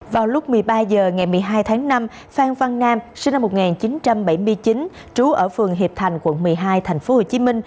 vào lúc một mươi ba h ngày một mươi hai tháng năm phan văn nam sinh năm một nghìn chín trăm bảy mươi chín trú ở phường hiệp thành quận một mươi hai tp hcm